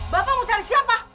bapak mau cari siapa